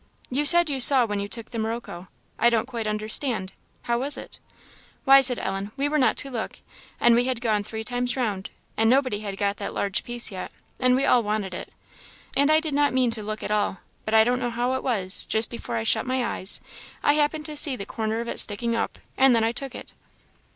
"You said you saw when you took the morocco I don't quite understand how was it?" "Why," said Ellen, "we were not to look, and we had gone three times round, and nobody had got that large piece yet, and we all wanted it; and I did not mean to look at all, but I don't know how it was, just before I shut my eyes I happened to see the corner of it sticking up, and then I took it."